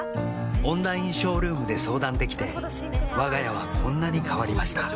オンラインショールームで相談できてわが家はこんなに変わりました